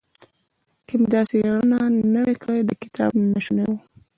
که مې دا څېړنه نه وای کړې دا کتاب ناشونی و.